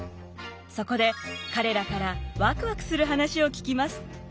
そこで彼らからワクワクする話を聞きます。